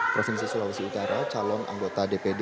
provinsi sulawesi utara calon anggota dpd